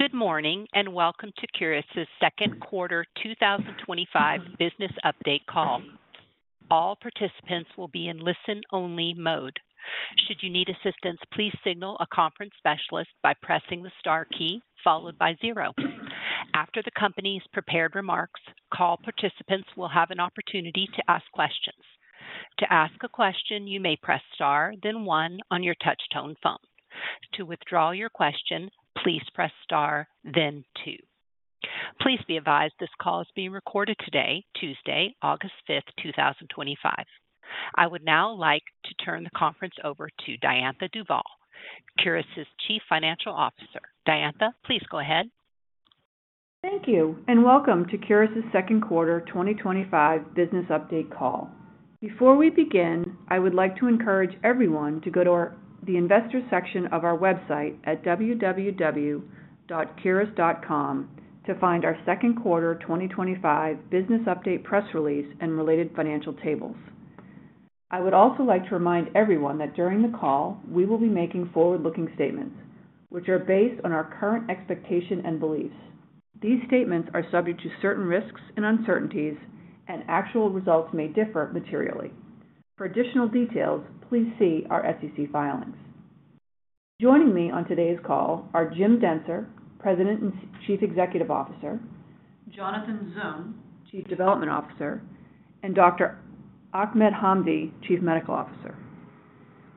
Good morning and welcome to Curis's Second Quarter 2025 Business Update Call. All participants will be in listen-only mode. Should you need assistance, please signal a conference specialist by pressing the star key followed by zero. After the company's prepared remarks, all participants will have an opportunity to ask questions. To ask a question, you may press star, then one on your touch-tone phone. To withdraw your question, please press star, then two. Please be advised this call is being recorded today, Tuesday, August 5, 2025. I would now like to turn the conference over to Diantha Duvall, Curis's Chief Financial Officer. Diantha, please go ahead. Thank you and welcome to Curis's Second Quarter 2025 Business Update Call. Before we begin, I would like to encourage everyone to go to the Investors section of our website at www.curis.com to find our Second Quarter 2025 Business Update Press Release and Related Financial Tables. I would also like to remind everyone that during the call, we will be making forward-looking statements, which are based on our current expectations and beliefs. These statements are subject to certain risks and uncertainties, and actual results may differ materially. For additional details, please see our SEC filings. Joining me on today's call are James Dentzer, President and Chief Executive Officer; Dr. Jonathan Zung, Chief Development Officer; and Dr. Ahmed Hamdy, Chief Medical Officer.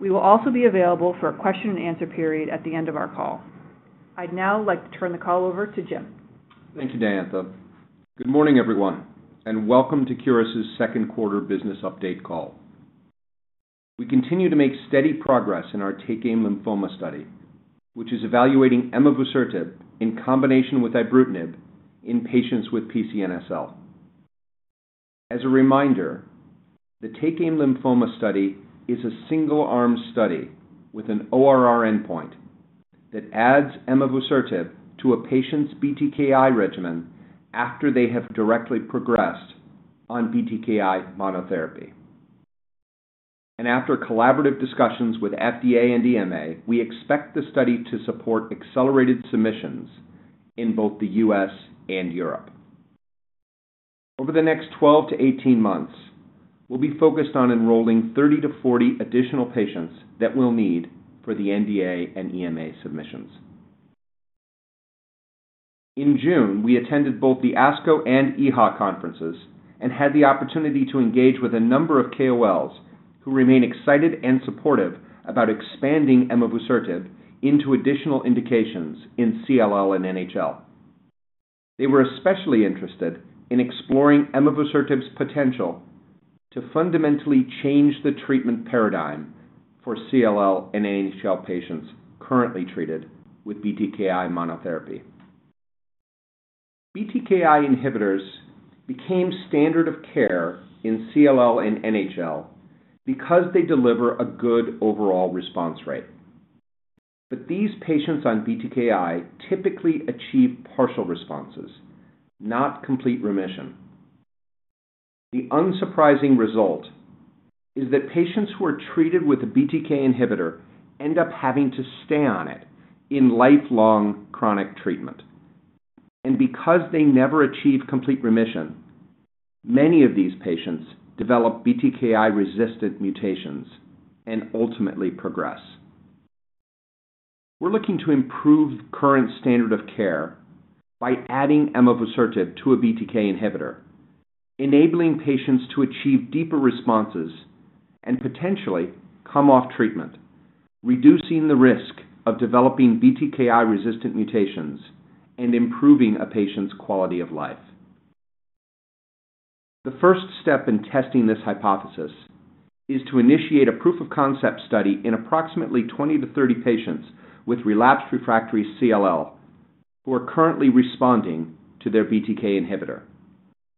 We will also be available for a question and answer period at the end of our call. I'd now like to turn the call over to James. Thank you, Diantha. Good morning, everyone, and welcome to Curis's Second Quarter Business Update call. We continue to make steady progress in our TakeAim Lymphoma Study, which is evaluating emavusertib in combination with ibrutinib in patients with PCNSL. As a reminder, the TakeAim Lymphoma Study is a single-arm study with an ORR endpoint that adds emavusertib to a patient's BTKi regimen after they have directly progressed on BTKi monotherapy. After collaborative discussions with the FDA and EMA, we expect the study to support accelerated submissions in both the U.S. and Europe. Over the next 12-18 months, we'll be focused on enrolling 30-40 additional patients that we'll need for the NDA and EMA submissions. In June, we attended both the ASCO and EHA conferences and had the opportunity to engage with a number of KOLs who remain excited and supportive about expanding emavusertib into additional indications in CLL and NHL. They were especially interested in exploring emavusertib's potential to fundamentally change the treatment paradigm for CLL and NHL patients currently treated with BTKi monotherapy. BTKi inhibitors became standard of care in CLL and NHL because they deliver a good overall response rate. These patients on BTKi typically achieve partial responses, not complete remission. The unsurprising result is that patients who are treated with a BTKi inhibitor end up having to stay on it in lifelong chronic treatment. Because they never achieve complete remission, many of these patients develop BTKi-resistant mutations and ultimately progress. We're looking to improve the current standard of care by adding emavusertib to a BTK inhibitor, enabling patients to achieve deeper responses and potentially come off treatment, reducing the risk of developing BTKi-resistant mutations and improving a patient's quality of life. The first step in testing this hypothesis is to initiate a proof-of-concept study in approximately 20-30 patients with relapsed/refractory CLL who are currently responding to their BTK inhibitor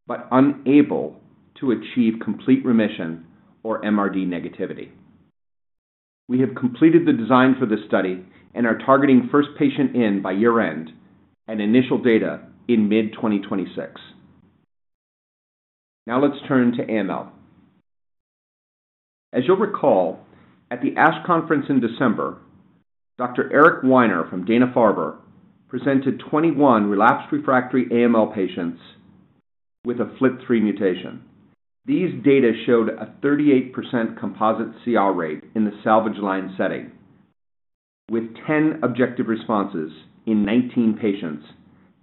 but unable to achieve complete remission or MRD negativity. We have completed the design for this study and are targeting first patient in by year-end and initial data in mid-2026. Now let's turn to AML. As you'll recall, at the ASH Conference in December, Dr. Eric Weiner from Dana-Farber presented 21 relapsed/refractory AML patients with a FLT3 mutation. These data showed a 38% composite CR rate in the salvage line setting, with 10 objective responses in 19 patients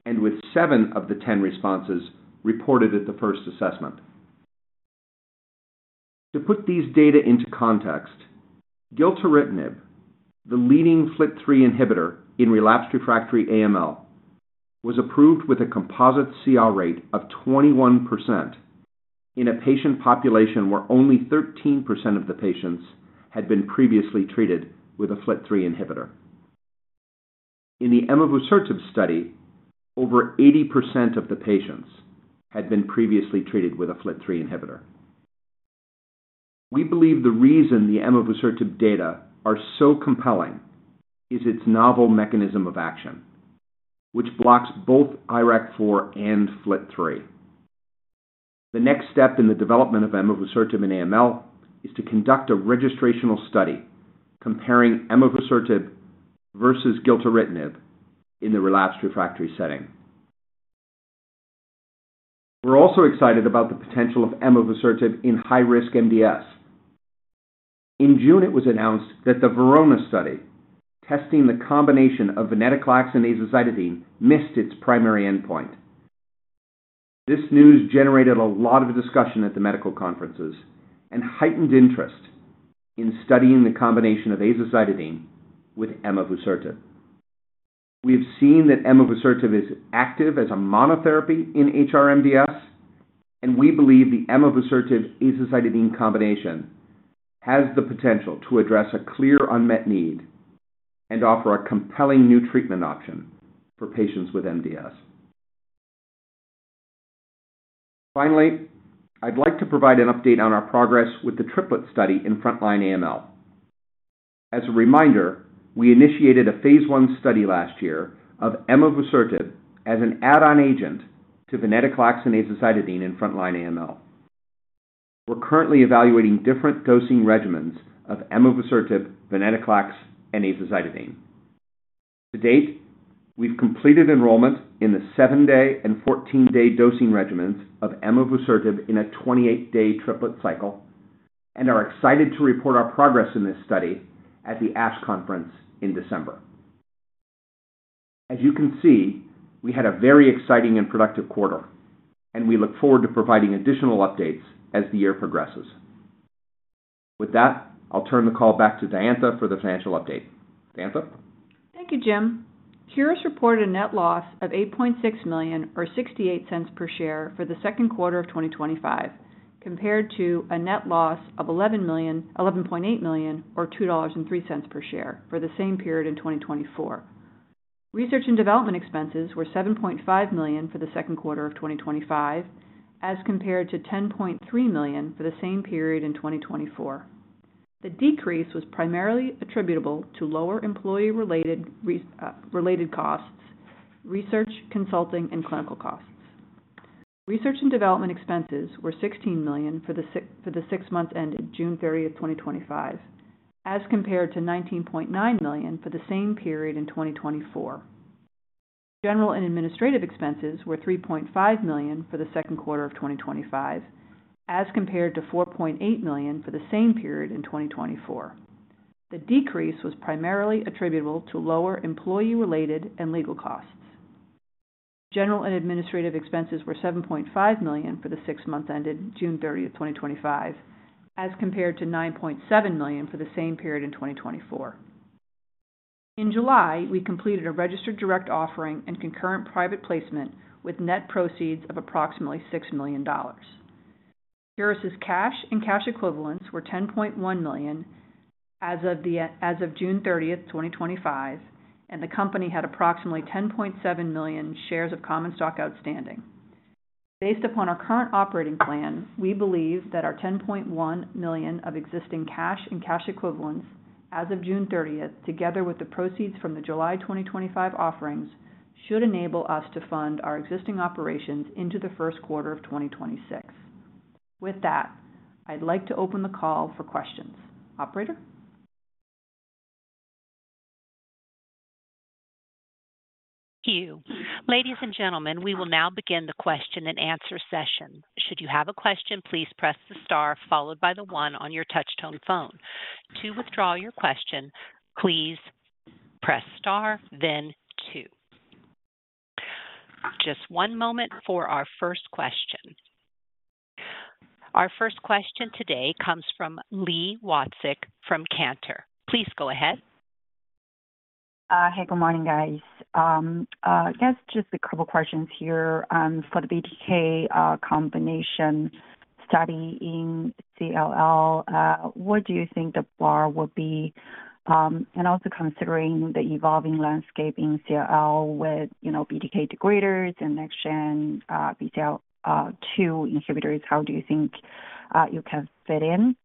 and with 7 of the 10 responses reported at the first assessment. To put these data into context, gilteritinib, the leading FLT3 inhibitor in relapsed/refractory AML, was approved with a composite CR rate of 21% in a patient population where only 13% of the patients had been previously treated with a FLT3 inhibitor. In the emavusertib study, over 80% of the patients had been previously treated with a FLT3 inhibitor. We believe the reason the emavusertib data are so compelling is its novel mechanism of action, which blocks both IRAK4 and FLT3. The next step in the development of emavusertib in AML is to conduct a registrational study comparing emavusertib versus gilteritinib in the relapsed/refractory setting. We're also excited about the potential of emavusertib in high-risk MDS. In June, it was announced that the VERONA study testing the combination of venetoclax and azacitidine missed its primary endpoint. This news generated a lot of discussion at the medical conferences and heightened interest in studying the combination of azacitidine with emavusertib. We have seen that emavusertib is active as a monotherapy in high-risk MDS, and we believe the emavusertib/azacitidine combination has the potential to address a clear unmet need and offer a compelling new treatment option for patients with MDS. Finally, I'd like to provide an update on our progress with the Triplet study in frontline AML. As a reminder, we initiated a phase I study last year of emavusertib as an add-on agent to venetoclax and azacitidine in frontline AML. We're currently evaluating different dosing regimens of emavusertib, venetoclax, and azacitidine. To date, we've completed enrollment in the 7-day and 14-day dosing regimens of emavusertib in a 28-day Triplet cycle and are excited to report our progress in this study at the ASH Conference in December. As you can see, we had a very exciting and productive quarter, and we look forward to providing additional updates as the year progresses. With that, I'll turn the call back to Diantha for the financial update. Dianta? Thank you, Jim. Curis reported a net loss of $8.6 million, or $0.68 per share, for the second quarter of 2025, compared to a net loss of $11.8 million, or $2.03 per share, for the same period in 2024. Research and development expenses were $7.5 million for the second quarter of 2025, as compared to $10.3 million for the same period in 2024. The decrease was primarily attributable to lower employee-related costs, research, consulting, and clinical costs. Research and development expenses were $16 million for the six months ended June 30, 2025, as compared to $19.9 million for the same period in 2024. General and administrative expenses were $3.5 million for the second quarter of 2025, as compared to $4.8 million for the same period in 2024. The decrease was primarily attributable to lower employee-related and legal costs. General and administrative expenses were $7.5 million for the six months ended June 30, 2025, as compared to $9.7 million for the same period in 2024. In July, we completed a registered direct offering and concurrent private placement with net proceeds of approximately $6 million. Curis's cash and cash equivalents were $10.1 million as of June 30, 2025, and the company had approximately 10.7 million shares of common stock outstanding. Based upon our current operating plan, we believe that our $10.1 million of existing cash and cash equivalents as of June 30th, together with the proceeds from the July 2025 offerings, should enable us to fund our existing operations into the first quarter of 2026. With that, I'd like to open the call for questions. Operator? Thank you. Ladies and gentlemen, we will now begin the question-and-answer session. Should you have a question, please press the star followed by the one on your touch-tone phone. To withdraw your question, please press star, then two. Just one moment for our first question. Our first question today comes from Li Watsek from Cantor. Please go ahead. Hey, good morning, guys. I guess just a couple of questions here. For the BTK combination study in CLL, what do you think the bar will be? Also, considering the evolving landscape in CLL with BTK degraders and next-gen BCL2 inhibitors, how do you think you can fit in?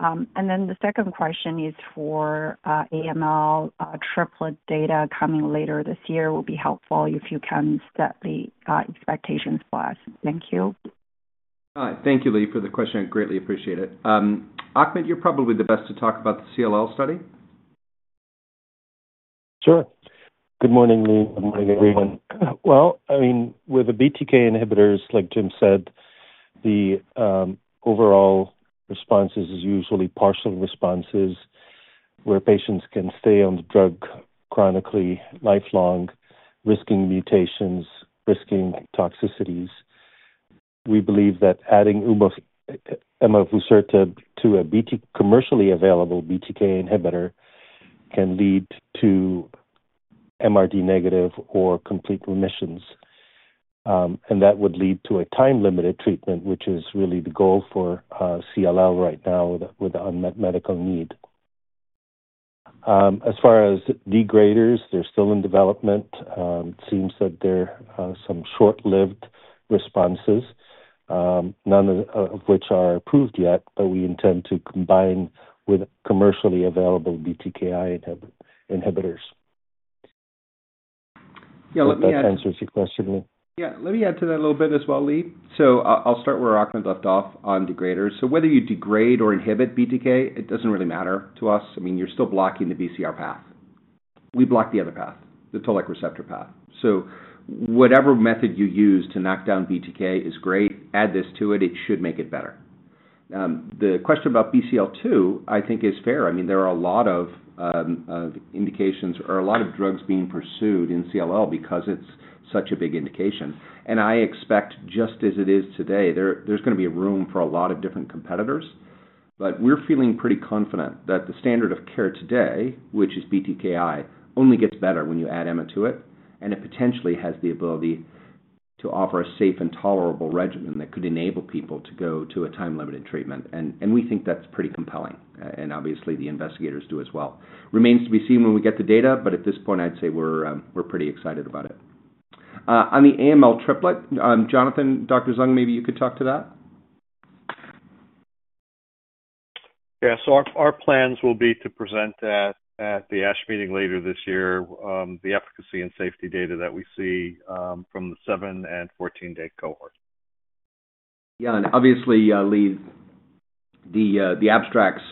The second question is for AML Triplet data coming later this year. It would be helpful if you can set the expectations for us. Thank you. All right. Thank you, Lee, for the question. I greatly appreciate it. Ahmed, you're probably the best to talk about the CLL study. Sure. Good morning, Lee. Good morning, everyone. With the BTK inhibitors, like Jim said, the overall response is usually partial responses where patients can stay on the drug chronically, lifelong, risking mutations, risking toxicities. We believe that adding emavusertib to a commercially available BTK inhibitor can lead to MRD negative or complete remissions. That would lead to a time-limited treatment, which is really the goal for CLL right now with the unmet medical need. As far as degraders, they're still in development. It seems that there are some short-lived responses, none of which are approved yet, but we intend to combine with commercially available BTK inhibitors. Yeah, let me add to that. I hope that answers your question, Lee. Let me add to that a little bit as well, Lee. I'll start where Ahmed left off on degraders. Whether you degrade or inhibit BTK, it doesn't really matter to us. You're still blocking the BCR path. We block the other path, the toll-like receptor path. Whatever method you use to knock down BTK is great. Add this to it. It should make it better. The question about BCL2, I think, is fair. There are a lot of indications or a lot of drugs being pursued in CLL because it's such a big indication. I expect, just as it is today, there's going to be room for a lot of different competitors. We're feeling pretty confident that the standard of care today, which is BTKi, only gets better when you add emavusertib to it. It potentially has the ability to offer a safe and tolerable regimen that could enable people to go to a time-limited treatment. We think that's pretty compelling. Obviously, the investigators do as well. Remains to be seen when we get the data, but at this point, I'd say we're pretty excited about it. On the AML Triplet, Dr. Jonathan Zung, maybe you could talk to that? Yeah, our plans will be to present at the ASH Meeting later this year the efficacy and safety data that we see from the 7 and 14-day cohort. Yeah, obviously, Li, the abstracts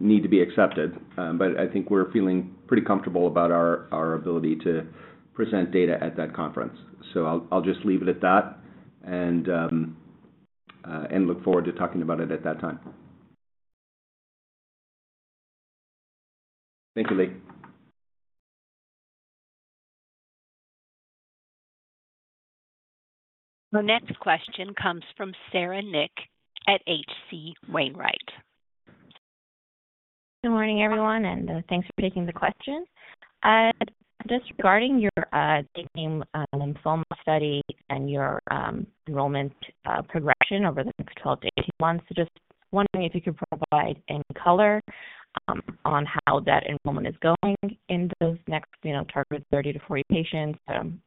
need to be accepted, but I think we're feeling pretty comfortable about our ability to present data at that conference. I'll just leave it at that and look forward to talking about it at that time. Thank you, Lee. The next question comes from Sara Nik at H.C. Wainwright. Good morning, everyone, and thanks for taking the question. Just regarding your TakeAim Lymphoma Study and your enrollment progression over the next 12-18 months, just wondering if you could provide any color on how that enrollment is going in those next target 30-40 patients,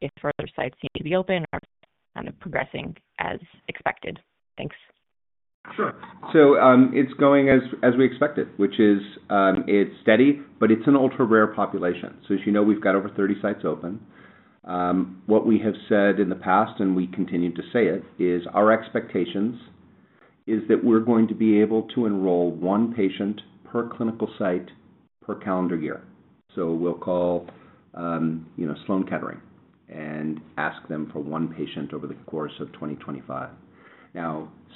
if further sites seem to be open or kind of progressing as expected. Thanks. Sure. It's going as we expected, which is it's steady, but it's an ultra-rare population. As you know, we've got over 30 sites open. What we have said in the past, and we continue to say it, is our expectations are that we're going to be able to enroll one patient per clinical site per calendar year. We'll call Sloan Kettering and ask them for one patient over the course of 2025.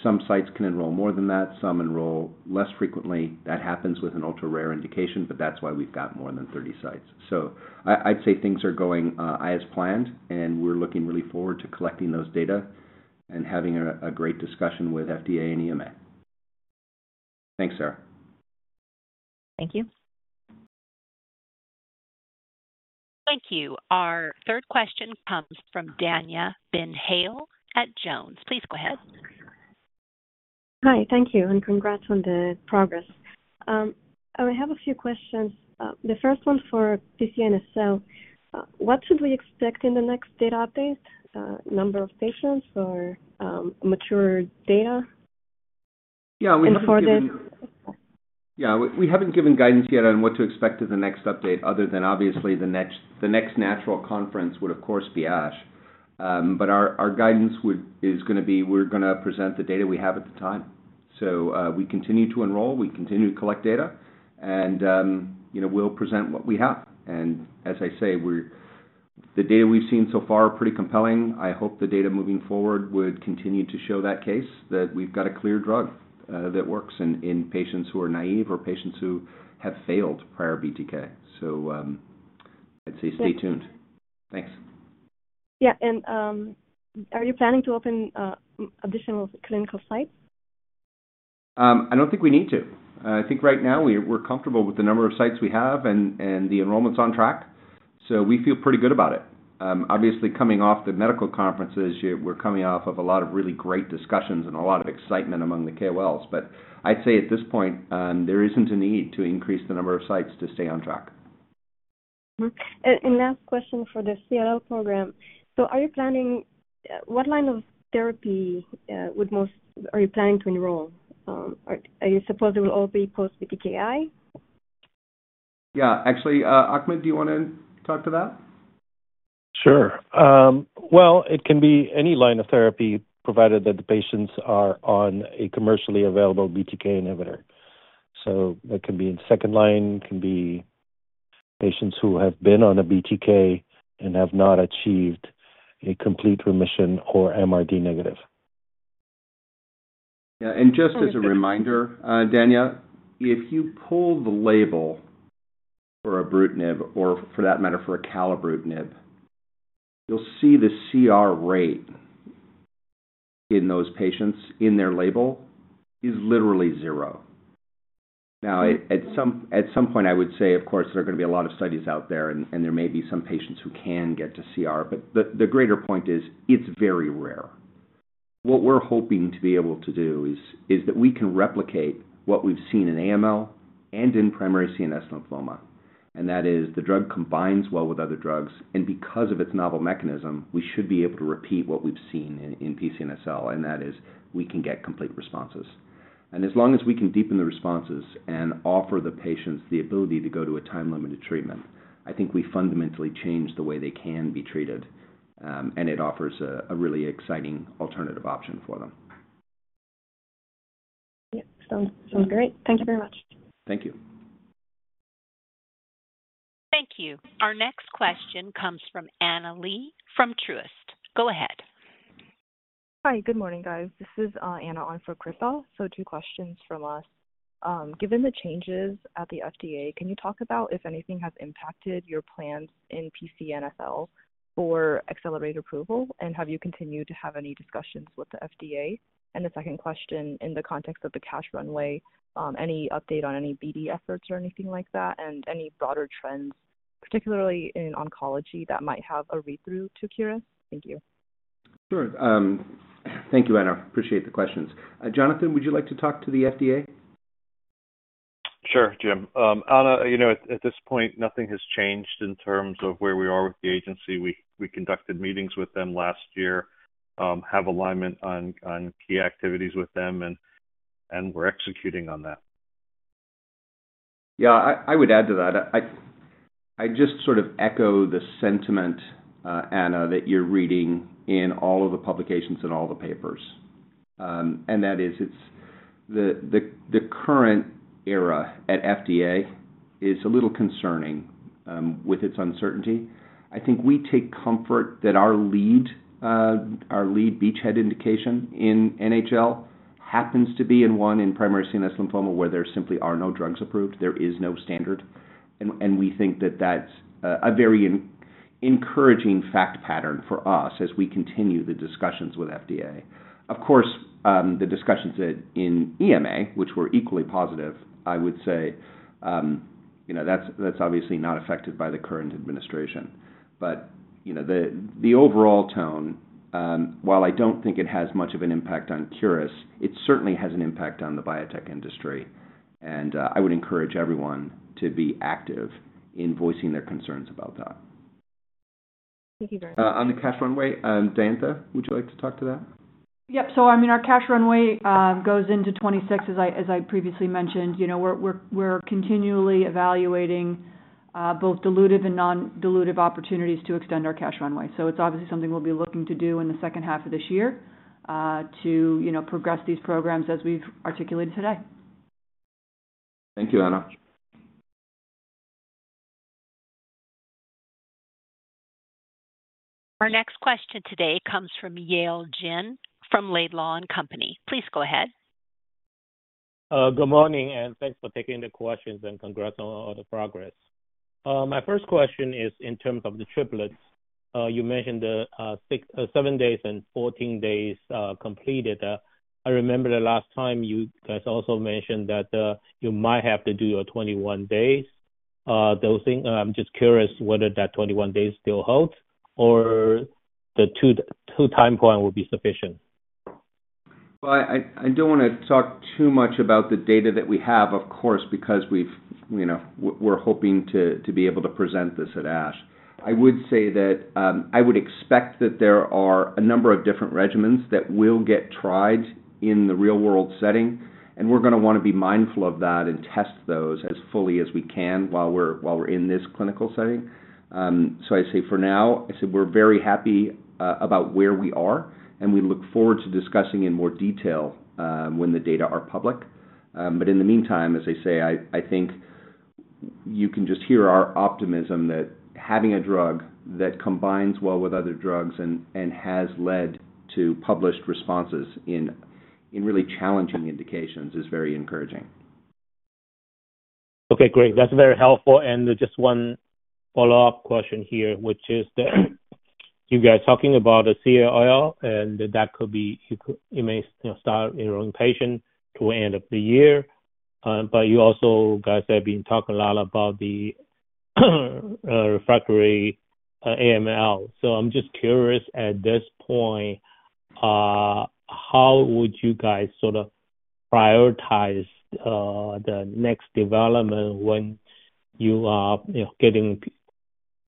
Some sites can enroll more than that. Some enroll less frequently. That happens with an ultra-rare indication, which is why we've got more than 30 sites. I'd say things are going as planned, and we're really looking forward to collecting those data and having a great discussion with FDA and EMA. Thanks, Sara. Thank you. Thank you. Our third question comes from Dania Ben-Hale at Jones. Please go ahead. Hi, thank you, and congrats on the progress. I have a few questions. The first one's for PCNSL. What should we expect in the next data update? Number of patients or mature data? We haven't given guidance yet on what to expect in the next update other than, obviously, the next natural conference would, of course, be ASH. Our guidance is going to be we're going to present the data we have at the time. We continue to enroll, we continue to collect data, and we'll present what we have. The data we've seen so far are pretty compelling. I hope the data moving forward would continue to show that case, that we've got a clear drug that works in patients who are naive or patients who have failed prior BTK. I'd say stay tuned. Thanks. Yeah, are you planning to open additional clinical sites? I don't think we need to. I think right now we're comfortable with the number of sites we have and the enrollment's on track. We feel pretty good about it. Obviously, coming off the medical conferences, we're coming off of a lot of really great discussions and a lot of excitement among the KOLs. At this point, there isn't a need to increase the number of sites to stay on track. For the CLL program, are you planning what line of therapy would most, are you planning to enroll? Are you supposing it will all be post-BTKi? Yeah, actually, Ahmed, do you want to talk to that? Sure. It can be any line of therapy, provided that the patients are on a commercially available BTK inhibitor. That can be in second line, or patients who have been on a BTK and have not achieved a complete remission or MRD negative. Yeah, and just as a reminder, Dania, if you pull the label for ibrutinib or for that matter for acalabrutinib, you'll see the CR rate in those patients in their label is literally zero. At some point, I would say, of course, there are going to be a lot of studies out there, and there may be some patients who can get to CR. The greater point is it's very rare. What we're hoping to be able to do is that we can replicate what we've seen in AML and in primary CNS lymphoma. That is the drug combines well with other drugs. Because of its novel mechanism, we should be able to repeat what we've seen in PCNSL. That is we can get complete responses. As long as we can deepen the responses and offer the patients the ability to go to a time-limited treatment, I think we fundamentally change the way they can be treated. It offers a really exciting alternative option for them. Yeah, sounds great. Thank you very much. Thank you. Thank you. Our next question comes from Anna Li from Truist. Go ahead. Hi, good morning, guys. This is Anna on for Cripo. Two questions from us. Given the changes at the FDA, can you talk about if anything has impacted your plans in PCNSL for accelerated approval? Have you continued to have any discussions with the FDA? The second question, in the context of the cash runway, any update on any BD efforts or anything like that? Any broader trends, particularly in oncology, that might have a read-through to Curis? Thank you. Sure. Thank you, Anna. Appreciate the questions. Jonathan, would you like to talk to the FDA? Sure, James. Anna, you know, at this point, nothing has changed in terms of where we are with the agency. We conducted meetings with them last year, have alignment on key activities with them, and we're executing on that. Yeah, I would add to that. I just sort of echo the sentiment, Anna, that you're reading in all of the publications and all the papers. That is, the current era at FDA is a little concerning with its uncertainty. I think we take comfort that our lead beachhead indication in NHL happens to be in one in primary CNS lymphoma where there simply are no drugs approved. There is no standard. We think that that's a very encouraging fact pattern for us as we continue the discussions with FDA. Of course, the discussions in EMA, which were equally positive, I would say, you know, that's obviously not affected by the current administration. The overall tone, while I don't think it has much of an impact on Curis, it certainly has an impact on the biotech industry. I would encourage everyone to be active in voicing their concerns about that. Thank you, James. On the cash runway, Diantha, would you like to talk to that? Our cash runway goes into 2026, as I previously mentioned. We're continually evaluating both diluted and non-diluted opportunities to extend our cash runway. It's obviously something we'll be looking to do in the second half of this year to progress these programs as we've articulated today. Thank you, Anna. Our next question today comes from Yale Jin from Lei Lau and Company. Please go ahead. Good morning, and thanks for taking the questions, and congrats on all the progress. My first question is in terms of the Triplets. You mentioned the 7 days and 14 days completed. I remember the last time you guys also mentioned that you might have to do your 21 days. I'm just curious whether that 21 days still holds or the two-time point will be sufficient. I don't want to talk too much about the data that we have, of course, because we're hoping to be able to present this at ASH. I would say that I would expect that there are a number of different regimens that will get tried in the real-world setting. We're going to want to be mindful of that and test those as fully as we can while we're in this clinical setting. I say for now, we're very happy about where we are. We look forward to discussing in more detail when the data are public. In the meantime, I think you can just hear our optimism that having a drug that combines well with other drugs and has led to published responses in really challenging indications is very encouraging. Okay, great. That's very helpful. Just one follow-up question here, which is that you guys are talking about the CLL, and that could be you may start enrolling patients toward the end of the year. You also guys have been talking a lot about the refractory AML. I'm just curious, at this point, how would you guys sort of prioritize the next development when you are getting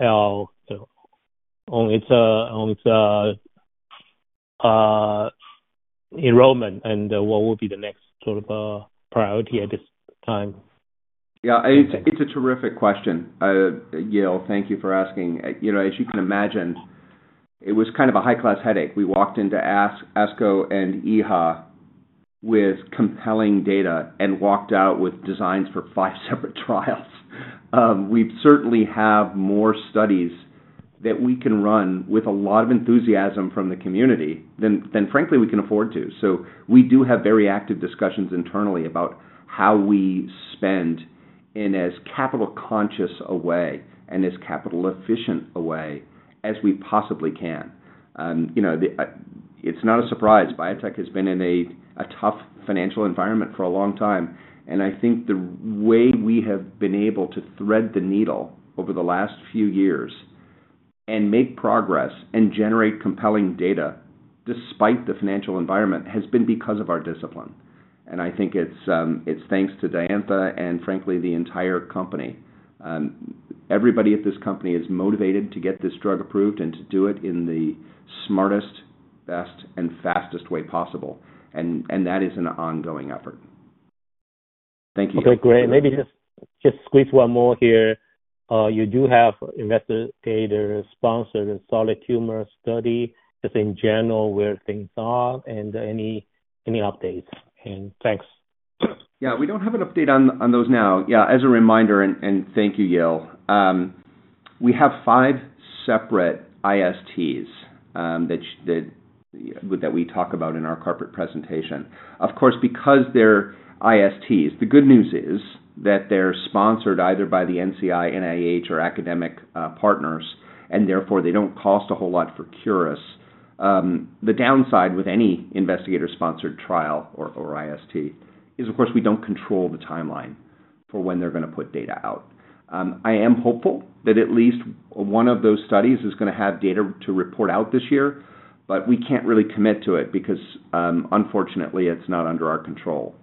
PCNSL on its enrollment? What would be the next sort of priority at this time? Yeah, it's a terrific question, Yale. Thank you for asking. You know, as you can imagine, it was kind of a high-class headache. We walked into ASCO and EHA with compelling data and walked out with designs for five separate trials. We certainly have more studies that we can run with a lot of enthusiasm from the community than, frankly, we can afford to. We do have very active discussions internally about how we spend in as capital-conscious a way and as capital-efficient a way as we possibly can. It's not a surprise. Biotech has been in a tough financial environment for a long time. I think the way we have been able to thread the needle over the last few years and make progress and generate compelling data despite the financial environment has been because of our discipline. I think it's thanks to Diantha and, frankly, the entire company. Everybody at this company is motivated to get this drug approved and to do it in the smartest, best, and fastest way possible. That is an ongoing effort. Thank you. Okay, great. Maybe just squeeze one more here. You do have investigator-sponsored solid tumor study. Just in general, where things are and any updates. Thanks. Yeah, we don't have an update on those now. As a reminder, and thank you, Yale. We have five separate ISTs that we talk about in our corporate presentation. Of course, because they're ISTs, the good news is that they're sponsored either by the NCI, NIH, or academic partners, and therefore they don't cost a whole lot for Curis. The downside with any investigator-sponsored trial or IST is, of course, we don't control the timeline for when they're going to put data out. I am hopeful that at least one of those studies is going to have data to report out this year, but we can't really commit to it because, unfortunately, it's not under our control.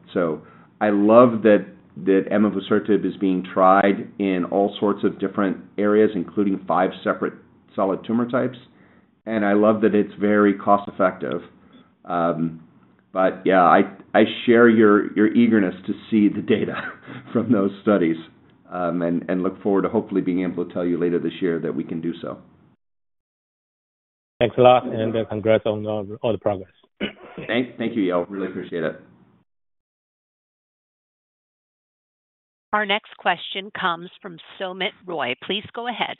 I love that emavusertib is being tried in all sorts of different areas, including five separate solid tumor types. I love that it's very cost-effective. I share your eagerness to see the data from those studies and look forward to hopefully being able to tell you later this year that we can do so. Thanks a lot. Congrats on all the progress. Thank you, Yale. Really appreciate it. Our next question comes from SUmit Roy. Please go ahead.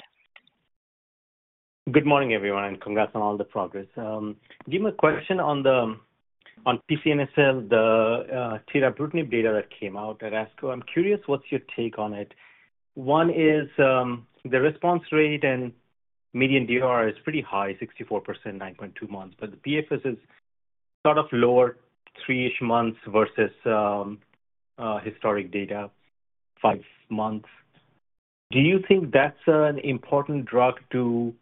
Good morning, everyone, and congrats on all the progress. I have a question on the PCNSL, the tirabrutinib data that came out at ASCO. I'm curious, what's your take on it? One is the response rate and median DR is pretty high, 64%, 9.2 months. The PFS is sort of lower, 3-ish months versus historic data, five months. Do you think that's an important drug to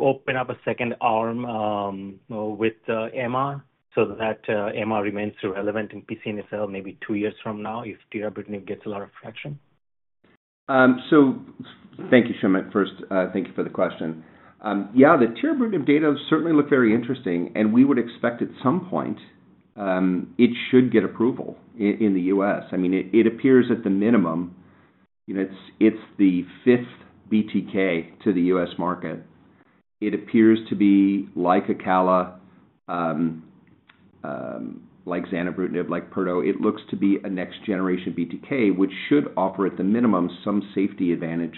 open up a second arm with the EMA so that EMA remains relevant in PCNSL maybe two years from now if tirabrutinib gets a lot of traction? Thank you, Sumit. First, thank you for the question. Yeah, the tirabrutinib data certainly look very interesting. We would expect at some point it should get approval in the U.S. I mean, it appears at the minimum, you know, it's the fifth BTK to the U.S. market. It appears to be like acalabrutinib, like zanubrutinib, like pirtobrutinib. It looks to be a next-generation BTK inhibitor, which should offer at the minimum some safety advantage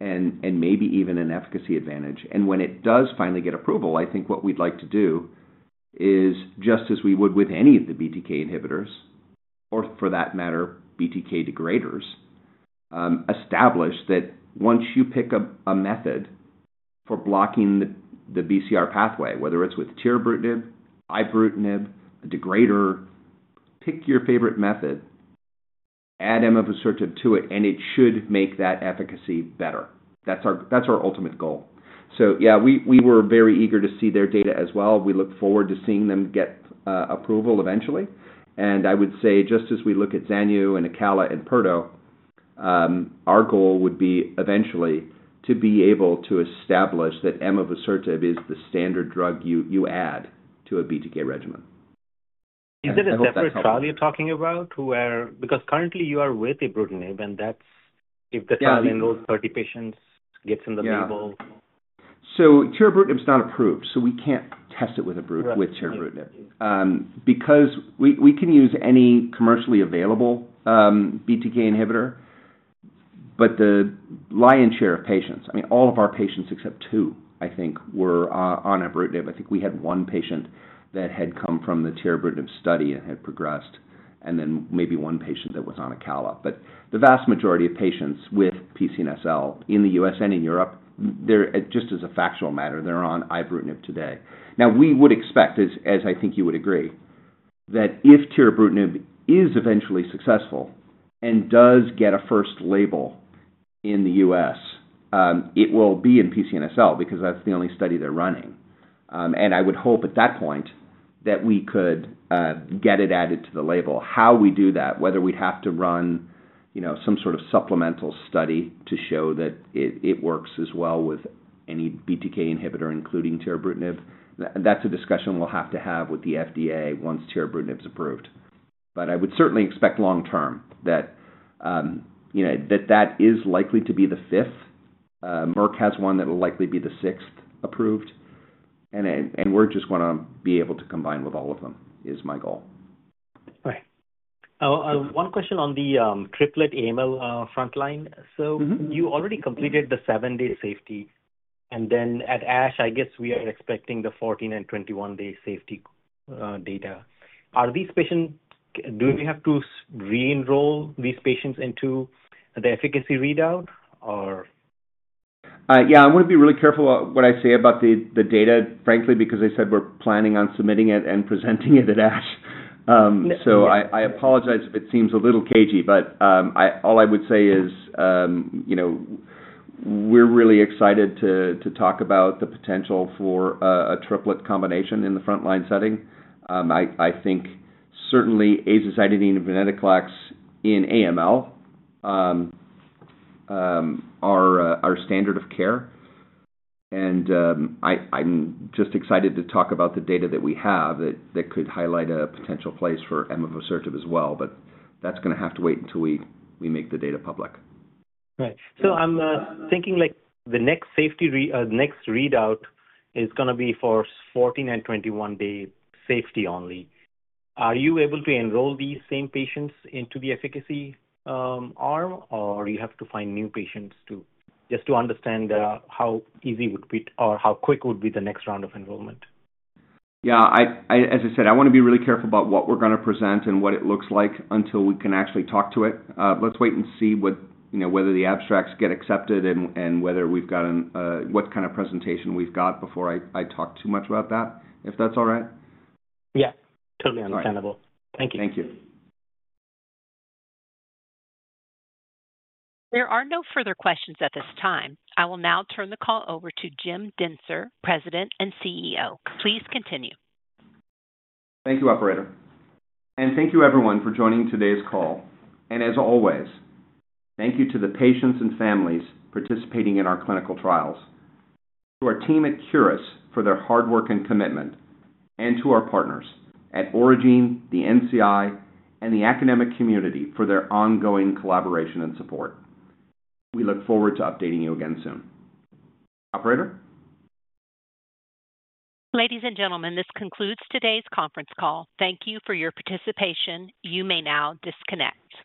and maybe even an efficacy advantage. When it does finally get approval, I think what we'd like to do is, just as we would with any of the BTK inhibitors, or for that matter, BTK degraders, establish that once you pick a method for blocking the BCR pathway, whether it's with tirabrutinib, ibrutinib, a degrader, pick your favorite method, add emavusertib to it, and it should make that efficacy better. That's our ultimate goal. Yeah, we were very eager to see their data as well. We look forward to seeing them get approval eventually. I would say, just as we look at zanubrutinib and acalabrutinib and pirtobrutinib, our goal would be eventually to be able to establish that emavusertib is the standard drug you add to a BTK regimen. Is it a separate trial you're talking about? Because currently you are with ibrutinib, and that's if the trial enrolls 30 patients, gets in the table. Tirabrutinib is not approved. We can't test it with tirabrutinib because we can use any commercially available BTK inhibitor. The lion's share of patients, I mean, all of our patients except two, I think, were on ibrutinib. I think we had one patient that had come from the tirabrutinib study and had progressed, and then maybe one patient that was on acalabrutinib. The vast majority of patients with PCNSL in the U.S. and in Europe, just as a factual matter, they're on ibrutinib today. We would expect, as I think you would agree, that if tirabrutinib is eventually successful and does get a first label in the U.S., it will be in PCNSL because that's the only study they're running. I would hope at that point that we could get it added to the label. How we do that, whether we'd have to run some sort of supplemental study to show that it works as well with any BTK inhibitor, including tirabrutinib, that's a discussion we'll have to have with the FDA once tirabrutinib is approved. I would certainly expect long-term that that is likely to be the fifth. Merck has one that will likely be the sixth approved. We're just going to be able to combine with all of them, is my goal. All right. One question on the Triplet AML frontline. You already completed the 7-day safety, and then at ASH, I guess we are expecting the 14 and 21-day safety data. Are these patients, do we have to re-enroll these patients into the efficacy readout, or? Yeah, I want to be really careful about what I say about the data, frankly, because I said we're planning on submitting it and presenting it at ASH. I apologize if it seems a little cagey, but all I would say is we're really excited to talk about the potential for a Triplet combination in the frontline setting. I think certainly azacitidine and venetoclax in AML are our standard of care. I'm just excited to talk about the data that we have that could highlight a potential place for emavusertib as well. That's going to have to wait until we make the data public. Right. I'm thinking the next readout is going to be for 14 and 21-day safety only. Are you able to enroll these same patients into the efficacy arm, or do you have to find new patients just to understand how easy it would be or how quick would be the next round of enrollment? Yeah, as I said, I want to be really careful about what we're going to present and what it looks like until we can actually talk to it. Let's wait and see whether the abstracts get accepted and what kind of presentation we've got before I talk too much about that, if that's all right. Yeah, totally understandable. Thank you. Thank you. There are no further questions at this time. I will now turn the call over to James Dentzer, President and CEO. Please continue. Thank you, Operator. Thank you, everyone, for joining today's call. As always, thank you to the patients and families participating in our clinical trials, to our team at Curis for their hard work and commitment, and to our partners at Origin, the NCI, and the academic community for their ongoing collaboration and support. We look forward to updating you again soon. Operator? Ladies and gentlemen, this concludes today's conference call. Thank you for your participation. You may now disconnect.